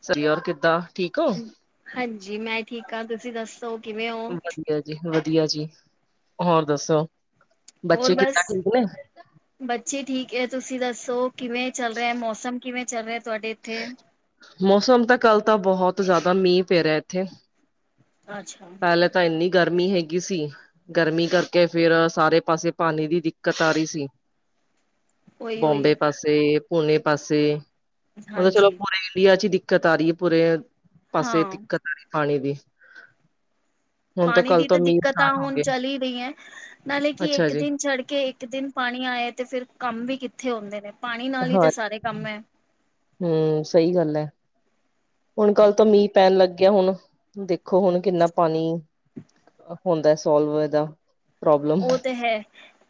Sir ਕਿੱਦਾਂ, ਠੀਕ ਹੋ? ਹਾਂਜੀ, ਮੈਂ ਠੀਕ ਹਾਂ, ਤੁਸੀਂ ਦੱਸੋ ਕਿਵੇਂ ਹੋ? ਠੀਕ ਏ, ਜੀ ਵਧੀਆ ਜੀ, ਹੋਰ ਦੱਸੋ? ਬੱਚੇ ਹੋਰ ਬਸ, ਕਿੱਦਾਂ ਠੀਕ ਨੇ? ਬੱਚੇ ਠੀਕ ਹੈ ਤੁਸੀਂ ਦੱਸੋ? ਕਿਵੇਂ ਚੱਲ ਰਿਹਾ ਮੌਸਮ ਕਿਵੇਂ ਚੱਲ ਰਿਹਾ ਤੁਹਾਡੇ ਇੱਥੇ ਮੌਸਮ ਤਾਂ ਕੱਲ ਤਾਂ ਬਹੁਤ ਜ਼ਿਆਦਾ ਮੀਂਹ ਪੈ ਰਿਹਾ ਇੱਥੇ। ਅੱਛਾ ਪਹਿਲੇ ਤਾਂ ਇੰਨੀ ਗਰਮੀ ਹੈਗੀ ਸੀ। ਗਰਮੀ ਕਰਕੇ ਫੇਰ ਸਾਰੇ ਪਾਸੇ ਪਾਣੀ ਦੀ ਦਿੱਕਤ ਆ ਰਹੀ ਸੀ। ਉਹੀ ਉਹੀ ਬੋਮਬੇ ਪਾਸੇ, ਪੁੂਣੇ ਪਾਸੇ, ਮਤਲਬ ਚਲੋ ਹਾਂਜੀ ਪੂਰੇ ਇੰਡੀਆ ਚ ਈ ਦਿੱਕ ਦਿੱਕਤ ਆਰੀ ਐ ਪੂਰੇ, ਪਾਸੇ ਤ ਹਾਂ ਦਿੱਕਤ ਆਰੀ ਪਾਣੀ ਦੀ। ਹੁਣ ਪਾਣੀ ਕੱਲ ਦੀ ਤੋਂ ਤਾਂ ਮੀਂਹ ਦਿੱਕਤਾਂ ਸਟਾਰਟ ਹੋ ਹੁਣ ਗਏ ਚੱਲ ਹੀ ਰਹੀਆਂ, ਨਾਲੇ ਕਿ ਅੱਛਾ ਇੱਕ ਜੀ ਦਿਨ ਛੱਡ ਕੇ ਇੱਕ ਦਿਨ ਪਾਣੀ ਆਏ ਤੇ ਫਿਰ ਕੰਮ ਵੀ ਕਿੱਥੇ ਹੁੰਦੇ ਨੇ ਪਾਣੀ ਨਾਲ ਹੀ ਹਾਂ ਤਾਂ ਸਾਰੇ ਕੰਮ ਐ। ਹੂੰ ਸਹੀ ਗੱਲ ਐ, ਹੁਣ ਕੱਲ ਤੋ ਮੀਂਹ ਪੈਣ ਲੱਗ ਗਿਆ ਹੁਣ ਦੇਖੋ ਹੁਣ ਕਿੰਨਾ ਪਾਣੀ, ਹੋਦਾ ਸੋਲਵ ਇੰਦਾ। ਉਹ ਤੇ ਹੈ।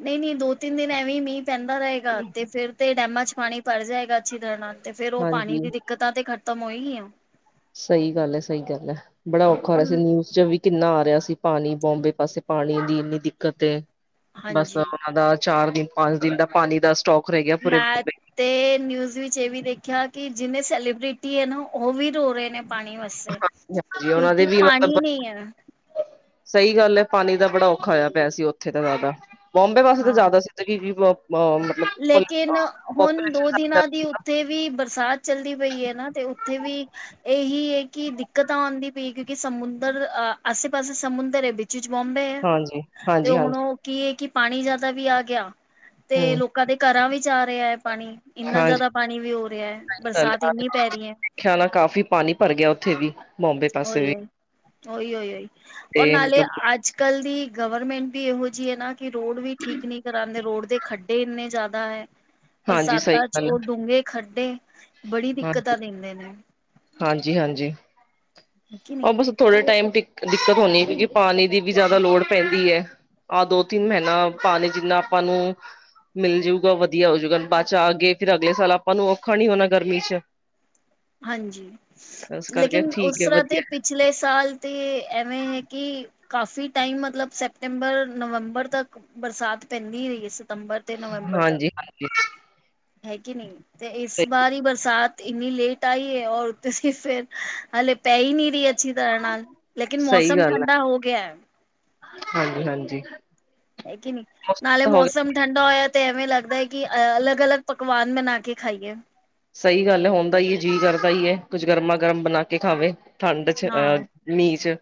ਨਈ-ਨਈ ਦੋ-ਤਿੰਨ ਦਿਨ ਐਵੇਂ ਮੀਂਹ ਪੈਂਦਾ ਰਹੇਗਾ ਤੇ ਫੇਰ ਤੇ ਡੈਮਾਂ ਚ ਪਾਣੀ ਭਰ ਜਾਏਗਾ ਅੱਛੀ ਤਰ੍ਹਾਂ ਨਾਲ। ਤੇ ਫੇਰ ਉਹ ਪਾਣੀ ਹਾਂਜੀ ਦੀ ਦਿੱਕਤਾਂ ਤੇ ਖ਼ਤਮ ਹੋਈ ਹੀ ਐ। ਸਹੀ ਗੱਲ ਐ, ਸਹੀ ਗੱਲ ਐ, ਬੜਾ ਔਖਾ ਹੋ ਰਿਹਾ ਸੀ ਨਿਊਜ਼ ਚੋ ਵੀ ਕਿੰਨਾ ਆ ਰਿਹਾ ਸੀ ਪਾਣੀ ਬੋਂਬੇ ਪਾਸੇ ਪਾਣੀ ਦੀ ਇੰਨੀ ਦਿੱਕਤ ਏ। ਬਸ ਹਾਂਜੀ ਉਹਨਾਂ ਦਾ ਚਾਰ ਦਿਨ, ਪੰਜ ਦਿਨ ਦਾ ਪਾਣੀ ਦਾ ਸਟੋਕ ਰਹਿ ਗਿਆ ਪੂਰੇ ਮੈਂ ਬੰਬੇ। ਤੇ ਨਿਊਜ਼ ਵਿੱਚ ਇਹ ਵੀ ਦੇਖਿਆ ਕੀ ਜਿੰਨੇ ਸੈਲੀਬ੍ਰਿਟੀ ਐ ਨਾ ਉਹ ਵੀ ਰੋ ਰਹੇ ਨੇ ਪਾਣੀ ਵਾਸੇ, ਹਾਂਜੀ ਉਹਨਾਂ ਦੇ ਕਿਉਂਕਿ ਵੀ ਪਾਣੀ ਮਤਲਬ ਨਈ ਐ। ਸਹੀ ਗੱਲ ਐ, ਪਾਣੀ ਦਾ ਬੜਾ ਔਖਾ ਹੋਇਆ ਪਿਆ ਸੀ ਉੱਥੇ ਤਾਂ ਜ਼ਿਆਦਾ। ਬੋਂਬੇ ਵਾਸਤੇ ਤਾਂ ਹਾਂ ਜ਼ਿਆਦਾ ਸੀ ਤਲਬ ਲੇਕਿਨ ਹੁਣ ਦੋ ਦਿਨਾਂ ਦੀ [unintelligible] ਉੱਥੇ ਵੀ ਬਰਸਾਤ ਚੱਲਦੀ ਪਈ ਐ ਨਾ ਤੇ ਉੱਥੇ ਵੀ ਇਹੀ ਹੈ ਕੀ ਦਿੱਕ ਦਿੱਕਤਾਂ ਆਉਂਦੀ ਪਈ ਕਿਉਂਕਿ ਸਮੁੰਦਰ ਅਹ ਆਸੇ- ਪਾਸੇ ਸਮੁੰਦਰ ਐ ਵਿੱਚ ਚ ਬੋਂਬੇ ਐ, ਹਾਂਜੀ ਤੇ ਹਾਂਜੀ ਹੁਣ ਹਾਂਜੀ ਕੀ ਏਹ ਕੀ ਪਾਣੀ ਜਿਆਦਾ ਵੀ ਆ ਗਿਆ। ਤੇ ਹਮ ਲੋਕਾਂ ਦੇ ਘਰਾਂ ਵਿੱਚ ਆ ਰਿਹਾ ਐ। ਪਾਣੀ ਇੰਨਾ ਹਾਂਜੀ ਜ਼ਿਆਦਾ ਪਾਣੀ ਵੀ ਹੋ ਰਿਹਾ ਹੈ ਬਰਸਾਤ ਇੰਨੀ ਪੈ ਰਹੀ ਐ। ਖਿਆਲਾ ਕਾਫ਼ੀ ਪਾਣੀ ਭਰ ਗਿਆ ਉੱਥੇ ਵੀ ਬੋਂਬੇ ਪਾਸੇ ਉਈ ਵੀ ਓ, ਓ ਈ-ਓ ਈ ਓ ਈ, ਓ ਤੇ ਨਾਲੇ ਮਤਲਬ ਅੱਜ ਕੱਲ੍ਹ ਦੀ ਗਵਰਮੈਂਟ ਵੀ ਇਹੋ ਜਿਹੀ ਹੈ ਨਾ ਕਿ ਰੋਡ ਵੀ ਠੀਕ ਨੀ ਤਰਾਂ ਦੇ ਰੋਡ ਦੇ ਖੱਡੇ ਇੰਨੇ ਜ਼ਿਆਦਾ ਐ, ਹਾਂਜੀ ਸਹੀ ਬਰਸਾਤਾਂ ਚ ਗੱਲ ਉਹ ਡੂੰਘੇ ਖੱਡੇ ਬੜੀ ਦਿੱਕਤਾਂ ਹਾਂਜੀ ਦਿੰਦੇ ਨੇ ਹਾਂਜੀ ਹਾਂਜੀ ਕਿ ਨਹੀਂ ਉਹ ਬਸ ਥੋੜੇ ਟਾਈਮ ਦਿੱਕ-ਦਿੱਕਤ ਹੋਣੀ, ਕਿਉਂਕਿ ਪਾਣੀ ਦੀ ਵੀ ਜ਼ਿਆਦਾ ਲੋੜ ਪੈਂਦੀ ਐ। ਆਹ ਦੋ-ਤਿੰਨ ਮਹੀਨਾ ਪਾਣੀ ਜਿੰਨਾ ਆਪਾਂ ਨੂੰ ਮਿਲ ਜੂਗਾ ਵਧੀਆ ਹੋਜੂਗਾ ਬਾਅਦ ਚ ਆ ਗਏ ਫਿਰ ਅਗਲੇ ਸਾਲ ਆਪਾਂ ਨੂੰ ਔਖਾ ਨੀ ਹੋਣਾ ਗਰਮੀ ਚ। ਹਾਂਜੀ। ਇਸ ਕਰਕੇ ਲੇਕਿਨ ਠੀਕ ਉਸ ਹੈ ਤਰ੍ਹਾਂ ਤੇ ਵਧੀਆ ਪਿਛਲੇ ਸਾਲ ਤੇ ਐਵੇਂ ਐ ਕੀ ਕਾਫ਼ੀ ਟਾਈਮ ਮਤਲਬ ਸੈਪਤੰਬਰ-ਨਵੰਬਰ ਤੱਕ ਬਰਸਾਤ ਪੈਂਦੀ ਰਹੀ ਹੈ ਸਤੰਬਰ- ਤੇ ਨਵੰਬਰ ਤੱਕ ਹਾਂਜੀ ਹਾਂਜੀ। ਹੈ ਕੇ ਨੀ ਤੇ ਇਸ ਸਹੀ ਵਾਰੀ ਬਰਸਾਤ ਇੰਨੀ ਲੇਟ ਤਾ ਏ ਆਓ ਤੁਸੀ ਫੇਰ ਹਲੇੇ ਪੈ ਹੀ ਨਹੀਂ ਰਹੀ ਏ ਅੱਛੀ ਤਰ੍ਹਾਂ ਨਾਲ ਲੇਕਿਨ ਸਹੀ ਮੌਸਮ ਗੱਲ ਠੰਡਾ ਹੈ ਹੋ ਗਿਆ ਐ। ਹਾਂਜੀ- ਹਾਂਜੀ। ਹੈ ਕੇ ਨੀ, ਨਾਲੇ ਤਾਂ ਹੋ ਮੌਸਮ ਠੰਡ ਨਾ ਐ ਤੇ ਐਵੇਂ ਲੱਗਦੈ ਐ ਕਿ ਅਲੱਗ- ਅਲੱਗ ਪਕਵਾਨ ਬਨਾ ਕੇ ਖਾਈਏ। ਸਈ ਗੱਲ ਏ ਹੁੰਦਾ ਈ ਏ, ਜੀ ਕਰਦਾ ਈ ਏ, ਕੁੱਝ ਗਰਮਾ- ਗਰਮ ਬਣਾ ਕੇ ਖਾਵੇ ਠੰਡ ਚ ਅ ਹਾਂ ਮੀਂ ਚ।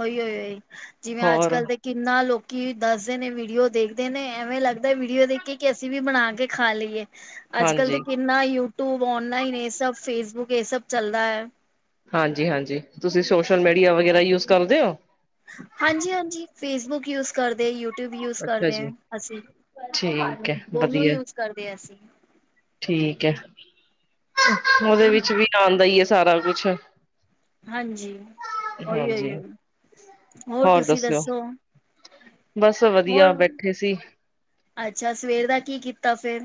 ਓਈਓ ਏ ਜਿਵੇਂ ਅੱਜ ਹੋਰ ਕੱਲ੍ਹ ਦੇ ਕਿੰਨਾ ਲੋਕੀ ਦੱਸਦੇ ਨੇ ਵੀਡੀਓ ਦੇਖਦੇ ਨੇ, ਐਵੇਂ ਲੱਗਦੈ ਵੀਡੀਓ ਦੇਖ ਕੇ ਕਿ ਅਸੀਂ ਵੀ ਬਣਾ ਕੇ ਖਾ ਲਈਏ। ਅੱਜ ਕਲ ਹਾਂਜੀ, ਤੇ ਕਿੰਨਾ ਯੂਟੂਬ, ਓਲਾਈਨ ਏ ਸਭ, ਫੇਸਬੁੱਕ ਏ ਸਭ ਚੱਲਦਾ ਐ। ਹਾਂਜੀ- ਹਾਂਜੀ। ਤੁਸੀਂ ਸੋਸ਼ਲ ਮੀਡੀਆ ਵਗੈਰਾ ਯੂਜ ਕਰਦੇ ਓ? ਹਾਂਜੀ - ਹਾਂਜੀ, ਫੇਸਬੁੱਕ ਯੂਜ ਕਰਦੇ, ਯੂ ਯੂਟੂਬ ਯੂਜ ਅੱਛਾ ਕਰਦੇ ਐ ਜੀ, ਅਸੀਂ, ਠੀਕ ਹੈ ਦੋਨੋ ਵਧੀਆ। ਯੂਜ ਕਰਦੇ ਐ ਅਸੀਂ। ਠੀਕ ਐ, ਹੈ ਓਦੇ ਕਿ ਨਹੀਂ ਵਿੱਚ ਵੀ ਆਂਦਾ ਈ ਏ ਸਾਰਾ ਕੁਛ। ਹਾਂਜੀ, ਓਈ- ਓਈ - ਹਾਂਜੀ। ਓਈ। ਹੋਰ ਤੁਸੀਂ ਦੱਸੋ? ਬਸ ਵਧੀਆ, ਹੋਰ ਬੈਠੇ ਸੀ। ਅੱਛਾ, ਸਵੇਰ ਦਾ ਕੀ ਕੀਤਾ ਫੇਰ?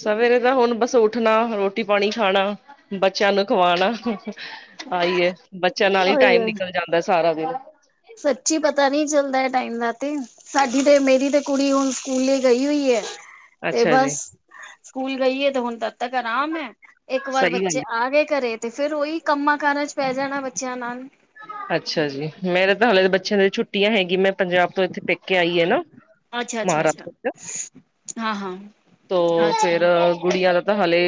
ਸਵੇਰੇ ਦਾ ਹੁਣ ਬਸ ਉੱਠਣਾ, ਰੋਟੀ -ਪਾਣੀ ਖਾਣਾ, ਬੱਚਿਆਂ ਨੂੰ ਖੁਆਣਾ ਆ ਈ ਏ, ਬੱਚਿਆਂ ਨਾਲ ਈ ਉਹੀ ਟਾਈਮ ਉਹੀ ਨਿਕਲ ਜਾਂਦੈ ਸਾਰਾ ਦਿਨ। ਸੱਚੀ, ਪਤਾ ਨੀ ਚੱਲਦਾ ਏ ਟਾਈਮ ਦਾ ਤੇ। ਸਾਡੀ ਤੇ, ਮੇਰੀ ਤੇ ਕੁੜੀ ਹੁਣ ਸਕੂਲ ਲਈ ਗਈ ਹੋਈ ਏ। ਤੇ ਅੱਛਾ ਬਸ ਜੀ, ਸਕੂਲ ਗਈ ਏ ਤੇ ਹੁਣ ਤੱਕ ਤੱਕ ਆਰਾਮ ਐ, ਏਕ ਵਾਰ ਸਹੀ ਗੱਲ ਬੱਚੇ ਆ ਗੇ ਘਰੇ ਤੇ ਫੇਰ ਓਈ ਕੰਮਾਂ- ਕਾਰਾ ਚ ਪੈ ਜਾਣਾ ਬੱਚਿਆਂ ਨਾਲ। ਅੱਛਾ ਜੀ! ਮੇਰੇ ਤਾਂ ਹਲੇੇ ਬੱਚਿਆਂ ਦੀ ਛੁੱਟੀਆਂ ਹੈਗੀ, ਮੈਂ ਪੰਜਾਬ ਤੋਂ ਐਥੇ ਪੇਕੇ ਆਈ ਆ ਨਾ ਅੱਛਾ ਅੱਛਾ ਮਹਾਰਾ। - ਅੱਛਾ ਹਾਂ ਹਾਂ [unintelligible] ਤੋ ਫੇਰ ਅੱਛਾ ਗੁੜੀਆਂ ਦਾ ਦਾ ਹਲੇ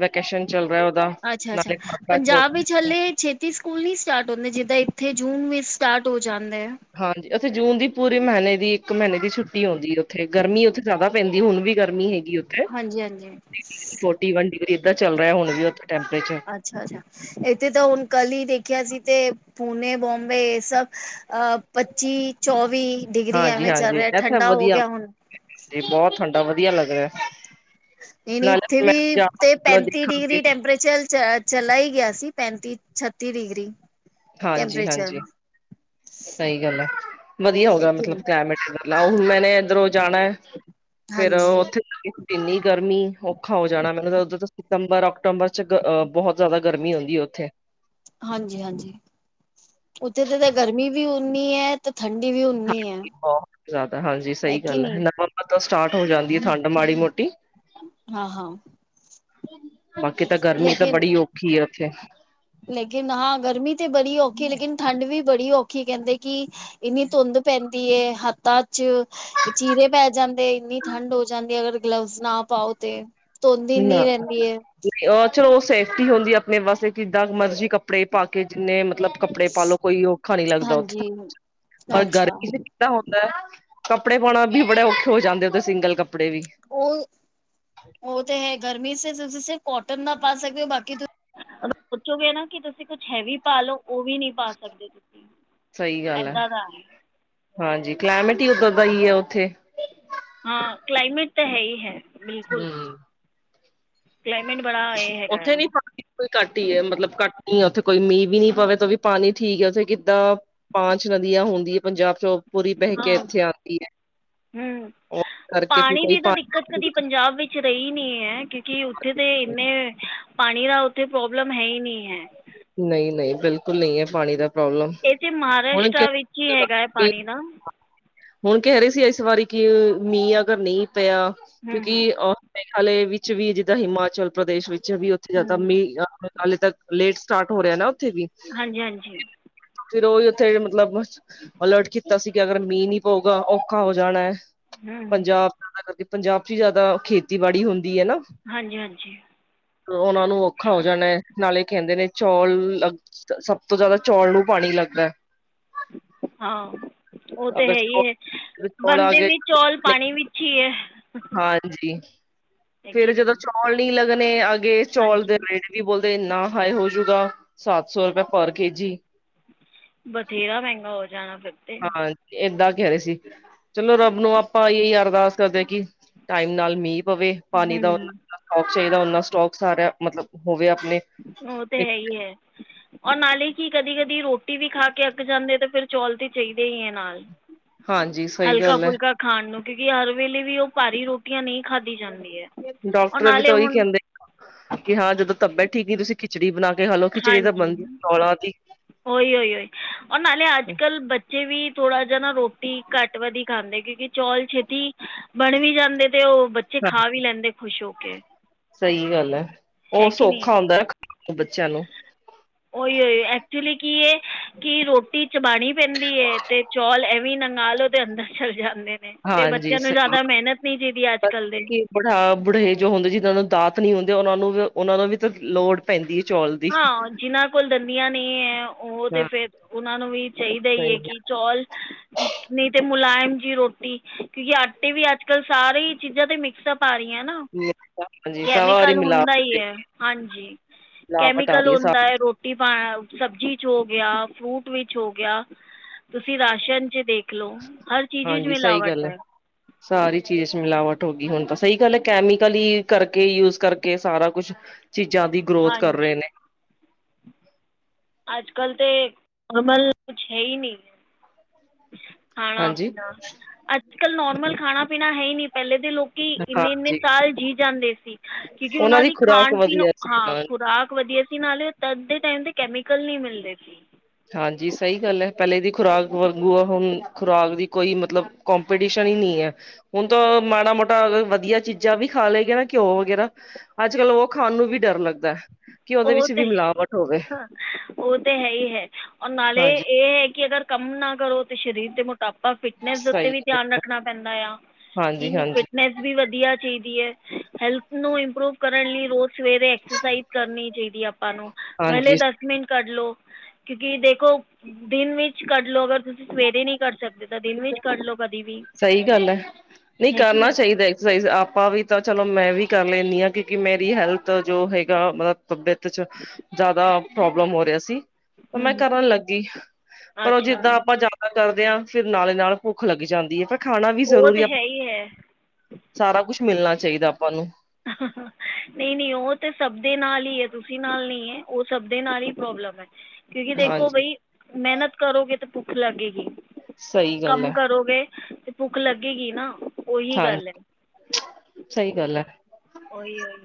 ਵੈਕੇਸ਼ਨ ਚੱਲ ਰੈ ਓ ਅੱਛਾ- ਅੱਛਾ, ਪੰਜਾਬ ਵਿੱਚ ਹਲੇ ਛੇ ਛੇਤੀ ਸਕੂਲ ਨੀ ਸਟਾਰਟ ਹੁੰਦੇ, ਜਿਦਾਂ ਇੱਥੇ ਜੂਨ ਵਿੱਚ ਸਟਾਰਟ ਹੋ ਜਾਂਦੇ ਐ। ਹਾਂਜੀ, ਉੱਥੇ ਜੂਨ ਦੀ ਪੂਰੇ ਮੈਂਨੇ ਦੀ ਇੱਕ ਮੀਂਨੇ ਦੀ ਛੁੱਟੀ ਹੁੰਦੀ ਏ ਉੱਥੇ, ਗਰਮੀ ਉੱਥੇ ਜਾਦਾ ਪੈਂਦੀ ਹੁਣ ਵੀ ਗਰਮੀ ਹੈਗੀ ਉੱਥੇ। ਹਾਂਜੀ-ਹਾਂਜੀ forty degree -forty one degree ਇਦਾਂ ਚੱਲ ਰਿਆ ਹੁਣ ਵੀ ਉੱਥੇ ਟੈਂਪਰੇਚਰ। ਅੱਛਾ- ਅੱਛਾ, ਐਦੇ ਤਾਂ ਹੁਨ ਕੱਲ ਈ ਦੇਖਿਆ ਸੀ ਤੇ ਪੁੂਨੇ, ਬੋਮਬੇ ਏ ਸਭ ਅ ਪੱਚੀ, ਚੌਵੀ ਡਿਗਰੀ ਐਵੇਂ ਚੱਲ ਹਾਂਜੀ-ਹਾਂਜੀ ਰਿਆ ਇੱਥੇ ਠੰਡਾ ਹੋ ਵਧੀਆ ਗਿਆ ਹੁਣ ਤੇ ਬਹੁਤ ਠੰਡਾ ਵਧੀਆ ਲੱਗ ਰੈ। ਨਈ- ਨਈ, ਇੱਥੇ ਵੀ ਤੇ ਹੁਣ ਪੈਂਤੀ ਡਿਗਰੀ ਦੇਖਾਂਗੇ ਟੈਂਪਰੇਚਰ ਚ -ਚਲਾ ਈ ਗਿਆ ਸੀ ਪੈਂਤੀ, ਛੱਤੀ ਡਿਗਰੀ। ਹਾਂਜੀ- ਟੈਂਪਰੇਚਰ ਹਾਂਜੀ ਸਈ ਗੱਲ ਐ। ਵਧੀਆ ਹੋ ਹੈ ਗਿਆ ਕਿ ਮਤਲਬ ਨਹੀਂ ਕਲਾਈਮੇਟ ਦਾ ਲਓ, ਹੁਣ ਮੈਨੇ ਐਧਰੋਂ ਜਾਣਾ ਐ ਫੇਰ ਹਾਂਜੀ। ਓਥੇ ਇੰਨੀ ਗਰਮੀ, ਔਖਾ ਹੋ ਜਾਣਾ ਮੈਨੂੰ ਤਾਂ ਉਧਰ ਤਾਂ ਸਿਤੰਬਰ, ਓਕਟਮਬਰ ਚ ਗ -ਬਹੁਤ ਜਾਦਾ ਗਰਮੀ ਹੋਂਦੀ ਏ ਓਥੇ। ਹਾਂਜੀ- ਹਾਂਜੀ। ਉੱਥੇ ਤੇ ਤਾਂ ਗਰਮੀ ਵੀ ਉਨੀ ਐ ਤੇ ਠੰਡੀ ਵੀ ਉ ਹਾਂਜੀ ਬਹੁਤ ਜਾਦਾ, ਹਾਂਜੀ ਸਈ ਕਿ ਗੱਲ ਐ। ਨਹੀਂ ਨਵੰਬਰ ਤੋਂ ਸਟਾਰਟ ਹੋ ਜਾਂਦੀ ਐ ਠੰਡ ਮਾੜੀ- ਮੋਟੀ। ਹਾਂ- ਹਾਂ। ਬਾਕੀ ਤਾਂ ਗਰਮੀ ਤਾਂ ਲੇਕਿਨ ਬੜੀ ਔਖੀ ਐ ਉੱਥੇ। ਲੇਕਿਨ ਹਾਂ ਗਰਮੀ ਤੇ ਬੜੀ ਔਖੀ ਲੇਕਿਨ ਠੰਡ ਵੀ ਬੜੀ ਔਖੀ ਕੈਂਦੇ ਕਿ ਇੰਨੀ ਧੁੰਦ ਪੈਂਦੀ ਏ ਹੱਥਾਂ ਚ ਚੀਰੇ ਪੈ ਜਾਂਦੇ, ਇੰਨੀ ਠੰਡ ਹੋ ਜਾਂਦੀ ਅਗਰ ਗਲਵਜ਼ ਨਾ ਪਾਓ ਤੇ ਧੁੰਦ ਨਈ ਇੰਨੀ ਰਹਿੰਦੀ ਏ ਹਾਂ ਅਹ ਚਲੋ ਉਹ ਸੇਫਟੀ ਹੁੰਦੀ ਹੈ। ਆਪਣੇ ਵਾਸਤੇ ਕਿਦਾਂ ਮਰਜ਼ੀ ਕੱਪੜੇ ਪਾ ਕੇ ਜਿੰਨੇ ਮਤਲਬ ਕੱਪੜੇ ਪਾ ਲਓ ਕੋਈ ਔਖਾ ਨਈ ਲੱਗਦਾ ਉੱਥੇ, ਹਾਂਜੀ ਪਰ ਅੱਛਾ ਗਰਮੀ ਚ ਹੁੰਦਾ, ਕੱਪੜੇ ਪਾਉਣਾ ਵੀ ਬੜੇ ਔਖੇ ਹੋ ਜਾਂਦੇ ਉਥੇ ਸਿੰਗਲ ਕੱਪੜੇ ਵੀ ਉਹ- ਉਹ ਤੇ ਹੈ। ਗਰਮੀ ਤੇ ਤੁਸੀਂ ਸਿਰਫ ਕੋਟਨ ਨਾ ਪਾ ਸਕਦੇ ਹੋ ਬਾਕੀ ਸੋਚੋਗੇ ਨਾ ਕਿ ਤੁਸੀਂ ਕੁਛ ਹੈਵੀ ਪਾ ਲਓ ਉਹ ਵੀ ਨੀ ਪਾ ਸਕਦੇ ਤੁਸੀਂ, ਸਹੀ ਗੱਲ ਏਦਾਂ ਦਾ ਹੈ। ਹਾਂਜੀ, ਕਲੈਮਟ ਹੀ ਉੱਧਰ ਪਈ ਹੈ ਉੱਥੇ ਹਾਂ, ਕਲਾਈਮੇਟ ਤਾਂ ਹੈ ਈ ਹੈ। ਹੂੰ ਬਿਲਕੁਲ ਕਲਾਈਮੇਟ ਬੜਾ ਇਹ ਹੈਗਾ ਉੱਥੇ ਹੈ ਵੀ ਬਿਲਕੁਲ ਘੱਟ ਹੀ ਹੈ। ਮਤਲਬ ਘੱਟ ਹੀ ਹੈ। ਉੱਥੇ ਕੋਈ ਮੀਂਹ ਵੀ ਨੀ ਪਵੇ ਤਾਂ ਵੀ ਪਾਣੀ ਠੀਕ ਹੈ। ਉੱਥੇ ਕਿੱਦਾਂ ਪਾਂਚ ਨਦੀਆਂ ਹੁੰਦੀ ਹੈ। ਪੰਜਾਬ ਚ ਪੂਰੀ ਬਹਿ ਕੇ ਇੱਥੇ ਆਦੀ ਹੈ। ਹੂੰ ਉਹ ਕਰਕੇ ਵੀ ਪਾਣੀ ਕੋਈ ਦੀ ਤਾਂ ਦਿੱਕਤ ਪਾਣੀ ਕਦੀ ਪੰਜਾਬ ਵਿੱਚ ਰਹੀ ਨਈ ਹੈ। ਕਿਉਂਕਿ ਉੱਥੇ ਤੇ ਇੰਨੇ ਪਾਣੀ ਦਾ ਉੱਥੇ ਪ੍ਰੋਬਲਮ ਹੈ ਈ ਨਈ ਹੈ। ਨਈ- ਨਈ ਬਿਲਕੁਲ ਨਈ ਹੈ। ਪਾਣੀ ਦਾ ਪ੍ਰੋਬਲਮ ਇੱਥੇ ਹੁਣ ਕਿ ਮਹਾਰਾਸ਼ਟਟਰ ਵੀ ਨਈ ਹੈਗਾ ਪਾਣੀ ਦਾ ਹੁਣ ਕਹਿ ਰਹੇ ਸੀ, ਇਸ ਵਾਰੀ ਕਿ ਮੀਂਹ ਅਗਰ ਨਈ ਪਿਆ, ਹੂੰ ਕਿਉਂਕਿ ਮੇਘਾਲੇ ਵਿੱਚ ਵੀ ਜਿੱਦਾਂ ਹਿਮਾਚਲ ਪ੍ਰਦੇਸ਼ ਵਿੱਚ ਵੀ ਉੱਥੇ ਹੂੰ ਜਾਂਦਾ, ਹੂੰ ਮੀਂਹ ਮੇਘਾਲੇ ਤੱਕ ਲੇਟ ਸਟਾਰਟ ਹੋ ਰਿਹਾ ਨਾ ਉੱਥੇ ਵੀ ਹਨਜੀ- ਹਨਜੀ ਫਿਰ ਉਹੀ ਉੱਥੇ ਮਤਲਬ, ਅਲਰਟ ਕੀਤਾ ਸੀ ਕਿ ਅਗਰ ਮੀਂਹ ਨੀ ਹੋਗਾ, ਔਖਾ ਹੋ ਜਾਣਾ ਹੈ। ਹੂੰ ਹੂੰ ਪੰਜਾਬ ਜ਼ਿਆਦਾ ਕਰਕੇ ਪੰਜਾਬ ਚ ਹੀ ਜ਼ਿਆਦਾ ਖੇਤੀਬਾੜੀ ਹੁੰਦੀ ਹੈਨਾ ਹਾਂਜੀ- ਹਾਂਜੀ ਉਹਨਾਂ ਨੂੰ ਔਖਾ ਹੋ ਜਾਣਾ, ਨਾਲੇ ਕਹਿੰਦੇ ਨੇ ਚੌਲ ਵੀ ਲੱ ਸ-ਸਭ ਤੋਂ ਜਿਆਦਾ ਚੌਲ ਨੂੰ ਪਾਣੀ ਲੱਗਦਾ। ਹਾਂ ਉਹ ਤੇ ਅਗਰ ਹੈਹੀ ਏ। ਚੌਲ ਚੌਲ ਆ ਬੰਦੇ ਗਏ ਵੀ ਚੌਲ ਪਾਣੀ ਵਿੱਚ ਈ ਏ। ਹਾਂਜੀ, ਫੇਰ ਜਦੋਂ ਨਹੀਂ ਚੌਲ ਨੀ ਲੱਗਣੇ ਅਗੇ ਚੌਲ ਹਾਂਜੀ ਦੇ ਰੇਟ ਕੀ ਬੋਲਦੇ ਇੰਨਾ ਹਾਈ ਹੋਜੂਗਾ ਸੱਤ ਸੌ ਰੁਪਏ ਪਰ ਕੇ ਜੀ। ਬਥੇਰਾ ਮਹਿੰਗਾ ਹੋ ਜਾਣਾ ਫਿਰ ਤਾਂ ਹਾਂ ਏਦਾਂ ਕੈ ਰਹੇ ਸੀ। ਚਲੋ ਰੱਬ ਨੂੰ ਆਪਾਂ ਇਹੀ ਏ ਅਰਦਾਸ ਕਰਦੇ ਹਾਂ ਕਿ ਟਾਈਮ ਨਾਲ ਮੀਂਹ ਪਵੇ। ਪਾਣੀ ਦਾ ਨਾ ਹੂੰ ਮਤਲਬ ਖਰਚੇ ਦਾ ਉਨਾ ਸਟੋਕ ਸਾਰਾ ਮਤਲਬ ਹੋਵੇ ਆਪਣੇ ਉਹ ਤੇ ਹੈ ਹੀ ਹੈ ਔਰ ਨਾਲੇ ਕੀ ਕਦੀ -ਕਦੀ ਰੋਟੀ ਵੀ ਖਾ ਕੇ ਅੱਕ ਜਾਂਦੇ ਤੇ ਫਿਰ ਚੌਲ ਤੇ ਚਾਈਦੇ ਹੀ ਹੈ ਨਾਲ ਹਾਂਜੀ ਸਹੀ ਹਲਕਾ- ਗੱਲ ਹੈ ਫੁਲਕਾ ਖਾਣ ਨੂੰ ਕਿਉਂਕਿ ਹਰ ਵੇਲੇ ਵੀ ਉਹ ਭਾਰੀ ਰੋਟੀਆਂ ਨਈ ਖਾਧੀ ਜਾਂਦੀ ਐ, ਉਹ ਡਾਕਟਰ ਵੀ ਨਾਲੇ ਤਾਂ ਉਹੀ ਹੁਣ ਕਹਿੰਦੇ ਕਿ ਹਾਂ ਜਦੋਂ ਤਬੀਅਤ ਠੀਕ ਨ ਤੁਸੀਂ ਖਿਚੜੀ ਬਣਾ ਕੇ ਖਾਲੋ ਖਿਚੜੀ ਤਾਂ ਹਾਂਜੀ ਬਣਦੀ ਚੌਲਾਂ ਦੀ ਉਹੀ ਓਈ-ਓਈ ਔਰ ਨਾਲੇ ਅੱਜ- ਕੱਲ੍ਹ ਬੱਚੇ ਵੀ ਥੋੜ੍ਹਾ ਜਿਹਾ ਨਾ ਰੋਟੀ ਘੱਟ ਵਧੀ ਖਾਂਦੇ ਕਿਉਂਕਿ ਚੌਲ ਛੇਤੀ ਬਣ ਵੀ ਜਾਂਦੇ ਤੇ ਉਹ ਬਚ ਹਾਂਜੀ ਸਹੀ ਗੱਲ ਐ ਹੈ ਉਹ ਕਿ ਨਹੀਂ ਸੌਖਾ ਹੁੰਦਾ ਬੱਚਿਆਂ ਨੂੰ ਉਹੀ ਉਹੀ ਐਕਚੁਲੀ ਕੀ ਏ, ਕਿ ਰੋਟੀ ਚਬਾਣੀ ਪੈਂਦੀ ਹੈ ਤੇ ਚੌਲ ਐਵੇਂ ਨੰਗਾਲੋ ਤੇ ਅੰਦਰ ਚਲ ਜਾਂਦੇ ਨੇ। ਤੇ ਹਾਂਜੀ ਬੱਚਿਆਂ ਨੂੰ ਜ਼ਿਆਦਾ ਮਿਹਨਤ ਨੀ ਚਾਹੀਦੀ, ਅੱਜ- ਕੱਲ ਦੇ। ਬੁਦਾ ਬੜੇਜ ਹੁੰਦੇ ਜਿਹਨਾਂ ਨੂੰ ਦਾਤ ਨੀ ਹੁੰਦੇ, ਉਹਨਾ ਨੂੰ ਵੀ, ਉਹਨਾਂ ਨੂੰ ਵੀ ਤਾਂ ਲੋੜ ਪੈਂਦੀ ਐ ਚੌਲ, ਦੀ ਹਾਂ ਜਿਹਨਾਂ ਕੋਲ ਦੰਦੀਆਂ ਨਹੀਂ ਐ, ਉਹ ਤੇ ਹਾਂ ਫਿਰ ਉਹਨਾਂ ਨੂੰ ਵੀ ਚਾਹੀਦਾ ਹੀ ਹੈ ਸਹੀ ਕੀ ਚੋਲ ਨਹੀਂ ਤੇ ਮੁਲਾਇਮ ਜਿਹੀ ਰੋਟੀ, ਕਿਉਂਕਿ ਆਟੇ ਵੀ ਅੱਜ- ਕੱਲ ਸਾਰੇ ਚੀਜ਼ਾਂ ਤੇ ਮਿਕਸਅੱਪ ਸਾਰੀਆਂ ਨਾ, ਹਾਂਜੀ ਸਾਰੀ ਕੈਮੀਕਲ ਹੁੰਦਾ ਮਿਲਾਵਟ ਹੀ ਤੇ ਹੈ, ਹਾਂਜੀ। ਮਿਲਾਵਟ ਆ ਕੈਮੀਕਲ ਰਹੀ ਹੈ ਹੁੰਦਾ ਸਾਰੀ ਐ, ਰੋਟੀ ਰੋਟੀ ਪਾ ਸਬਜ਼ੀ ਚ ਹੋ ਗਿਆ, ਫਰੂਟ ਵਿੱਚ ਹੋ ਗਿਆ, ਤੁਸੀਂ ਰਾਸ਼ਨ ਚ ਦੇ- ਖ ਲੋ, ਹਰ ਚੀਜ਼ ਹਾਂਜੀ ਸਹੀ ਮਿਲਾਵਟ ਗੱਲ ਹੈ ਐ। ਸਾਰੀ ਚੀਜ਼ ਮਿਲਾਵਟ ਹੋ ਗਈ ਹੁਣ ਤਾਂ, ਸਹੀ ਗੱਲ ਐ ਕੈਮੀਕਲ ਹੀ ਕਰਕੇ ਯੂਜ ਕਰਕੇ ਸਾਰਾ ਕੁਛ ਚੀਜ਼ਾਂ ਦੀ ਗਰੋਥ ਕਰ ਰਹੇ ਹਾਂਜੀ ਨੇ। ਅੱਜ- ਕੱਲ ਤੇ, ਨੋਰਮਲ ਕੁਛ ਹੈ ਹੀ ਨਹੀਂ। ਖਾਣਾ ਹਾਂਜੀ -ਪੀਣਾ ਅੱਜ ਕੱਲ੍ਹ ਨੋਰਮਲ ਖਾਣਾ ਪੀਣਾ ਹੈ ਹੀ ਨਹੀਂ। ਪਹਿਲੇ ਦੇ ਲੋਕ ਕਿ ਇੰਨੇ -ਇੰਨੇ ਹਾਂਜੀ ਸਾਲ ਜੀ ਜਾਂਦੇ ਸੀ। ਕਿਉਂਕਿ ਉਹਨਾਂ ਦੀ ਖਾਣ -ਪੀਣ ਹਾਂ, ਖੁਰਾਕ ਵਧੀਆ ਸੀ ਨਾਲੇ। ਤਦ ਦੇ ਟਾਈਮ ਤੇ, ਕੈਮੀਕਲ ਨਹੀਂ ਮਿਲਦੇ ਸੀ। ਹਾਂਜੀ ਸਹੀ ਗੱਲ ਐ, ਪਹਿਲੇ ਦੀ ਖੁਰਾਕ ਵਾਂਗੂ, ਓਹ ਖੁਰਾਕ ਦੀ ਕੋਈ ਮਤਲਬ ਕਪੀਟੀਸ਼ਨ ਹੀ ਨਹੀਂ ਐ। ਹੁਣ ਤਾਂ ਮਾੜਾ ਮੋਟਾ ਵਧੀਆ ਚੀਜ਼ਾਂ ਵੀ ਖਾ ਲਏ ਗਾ ਨਾ ਘਿਓ ਵਗੈਰਾ। ਅੱਜ -ਕੱਲ ਉਹ ਖਾਣ ਨੂੰ ਵੀ ਡਰ ਲੱਗਦਾ, ਕਿ ਉਹਦੇ ਉਹ ਵਿੱਚ ਤੇ ਵੀ ਮਿਲਾਵਟ ਹੋਵੇ। ਹਾਂ, ਉਹ ਤੇ ਹੈ ਹੀ ਹੈ, ਔਰ ਨਾਲੇ ਹਾਂਜੀ ਇਹ ਹੈ ਕਿ ਅਗਰ ਕੰਮ ਨਾ ਕਰੋ ਤੇ ਸਰੀਰ ਤੇ ਮੋਟਾਪਾ ਫਿਟ ਫਿਟਨੈਸ ਉੱਤੇ ਵੀ ਸਹੀ ਧਿਆਨ ਰੱਖਣਾ ਪੈਂਦਾ ਆ, ਹਾਂਜੀ, ਕੀ ਹਾਂਜੀ, ਫਿਟਨੈਸ ਵੀ ਵਧੀਆ ਚਾਹੀਦੀ ਐ, ਹੈਲਥ ਨੂੰ ਇੰਪਰੂਵ ਕਰਨ ਲਈ ਰੋਜ਼ ਸਵੇਰੇ ਐਕਸਰਸਾਈਜ਼ ਕਰਨੀ ਚਾਹੀਦੀ ਆਪਾਂ ਨੂੰ। ਮਹਿਲੇ ਹਾਂਜੀ ਦੱਸ ਦਸ ਮਿੰਟ ਕੱਢ ਲੋ, ਕਿਉਂਕਿ ਦੇਖੋ ਦਿਨ ਵਿੱਚ ਕੱਢ ਲਓ, ਅਗਰ ਤੁਸੀਂ ਸਵੇਰੇ ਨਹੀਂ ਕਰ ਸਕਦ ਜਿਦਾਂ ਤ ਦਿਨ ਵਿੱਚ ਕੱਢ ਲੋ ਕਦੀ ਵੀ। ਸਹੀ ਗੱਲ ਐ, ਨਹੀਂ ਹੈ ਕਿ ਕਰਨਾ ਚਾਹੀਦਾ ਐਕਸਰਸਾਈਜ਼, ਆਪਾਂ ਵੀ ਤਾਂ ਚਲੋ ਮੈਂ ਵੀ ਕਰ ਲੈਂਨੂੰ ਆ। ਕਿਉਂਕਿ ਮੇਰੀ ਹੈਲਥ ਜੋ ਹੈਗਾ ਮਤਲਬ ਤਬਿਅਤ 'ਚ ਜਿਆਦਾ ਪ੍ਰੋਬਲਮ ਹੋ ਰਿਹਾ ਸੀ ਤੇ ਹੂੰ ਮੈਂ ਹੂੰ। ਕਰਨ ਲੱਗੀ ਪਰ ਉਹ ਅੱਛਾ ਜਿੱਦਾਂ ਆਪਾਂ ਜ਼ਿਆਦਾ ਕਰਦੇ ਆ, ਫਿਰ ਨਾਲੇ -ਨਾਲ ਭੁੱਖ ਲੱਗ ਜਾਂਦੀ ਹੈ ਫਿਰ ਖਾਣਾ ਵੀ ਉਹ ਜ਼ਰੂਰੀ ਤਾਂ ਆ, ਹੈ ਹੀ ਹੈ ਸਾਰਾ ਕੁਛ ਮਿਲਣਾ ਚਾਹੀਦਾ ਆਪਾਂ ਨੂੰ। ਨਹੀਂ, ਨਹੀਂ ਉਹ ਤੇ ਸਭ ਦੇ ਨਾਲ ਹੀ ਐ, ਤੁਸੀਂ ਨਾਲ ਨਹੀਂ ਐ, ਉਹ ਸਭ ਦੇ ਨਾਲ ਹੀ ਪ੍ਰੋਬਲਮ ਨੂੰ ਐ। ਕਿਉਂਕਿ ਦੇਖੋ ਹਾਂਜੀ ਬਈ, ਮਿਹਨਤ ਕਰੋਗੇ ਤੇ ਭੁੱਖ ਲੱਗੇਗੀ। ਸਹੀ ਗੱਲ ਕੰਮ ਹੈ ਕਰੋਗੇ ਤੇ ਭੁੱਖ ਲੱਗੇਗੀ ਨਾ। ਉਹੀ ਹਾਂਜੀ, ਗੱਲ ਹੈ ਸਹੀ ਗੱਲ ਐ। ਓਈ, ਓਈ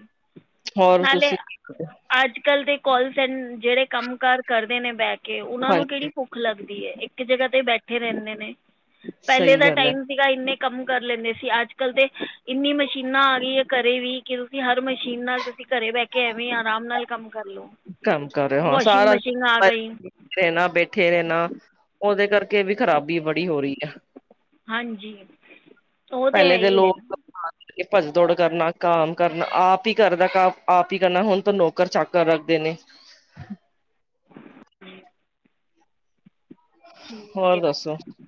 ਹੋਰ ਤੁਸੀਂ ਕੀ ਕਰ ਰਹੇ ਓ? ਅੱਜ, ਕੱਲ ਦੇ ਕੋਲਸ ਸੈਂ ਜੇੜੇ ਕੰਮ ਕਾਰ ਕਰਦੇ ਨੇ ਬੈਹ ਕੇ, ਉਨਾਂ ਨੂੰ ਕੇੜੀ ਹਾਂਜੀ ਭੁੱ ਖ ਲੱਗਦੀ ਐ, ਇੱਕ ਜਗ੍ਹਾ ਤੇ ਬੈਠੇ ਰੈਂਦੇ ਨੇ, ਪੈਲੇ ਸਹੀ ਦਾ ਗੱਲ ਹੈ। ਟਾਈਮ ਸੀ ਇੰਨੇ ਕੰਮ ਕਰ ਲੈਂਦੇ ਸੀ, ਅੱਜ ਕੱਲ ਤੇ ਇੰਨੀ ਮਸ਼ੀਨਾਂ ਆ ਗਈਆਂ ਕਰ ਦੇ ਵੀ ਕਿਉੰਕਿ ਤੁਸੀਂ ਹਰ ਮਸ਼ੀਨ ਨਾਲ ਤੁਸੀਂ ਘਰੇ ਬਹਿ ਕੇ ਐਵੇਂ ਈ ਆਰਾਮ ਨਾਲ ਕੰਮ ਕਰਲੋ। ਕੰਮ ਕਰ ਰਹੇ ਓਂ, ਸਾਰਾ ਦਿਨ ਬੈਠੇ ਰੈਣਾ ਓਦੇ ਕਰਕੇ ਵੀ ਖ਼ਰਾਬੀ ਬੜੀ ਹੋਰੀ ਆ। ਹਾਂਜੀ। ਉਹ ਤਾਂ ਪਹਿਲੇ ਹੈ ਦੇ ਹੀ ਹੈ ਲੋਕ [unintelligible] ਕੇ ਭੱਜ ਦੌੜ ਕਰਨਾ ਕਾਮ ਕਰਨਾ ਆਪ ਈ ਕਰਦਾ ਆਪ ਈ ਕਰਨਾ ਹੁਣ ਤਾਂ ਨੌਕਰ ਚਾਕਰ ਰੱਖਦੇ ਨੇ। ਓਰ ਹੋਰ ਦੱਸੋ ਬਸ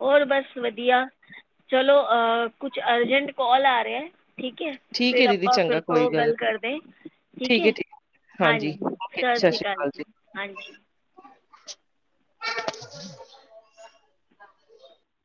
ਹੋਰ ਬਸ ਵਧੀਆ। ਚਲੋ ਕੁੱਛ ਅਰਜੈਂਟ ਕਾਲ ਆ ਰਿਐ ਠੀਕ ਐ। ਠੀਕ ਹੈ ਫੇਰ ਦੀਦੀ ਆਪਾਂ ਚੰਗਾ ਫਿਰ ਕੋਈ ਤੋਂ ਨਹੀਂ ਗੱਲ ਕਰਦੇ ਠੀਕ ਐ। ਹੈ ਹਾਂ ਹਾਂਜੀ ਓਕੇ ਜੀ ਸਸ ਸਤਿ ਸ੍ਰੀ ਸ਼੍ਰੀ ਕਾਲ ਅਕਾਲ ਜੀ ਹਾਂਜੀ।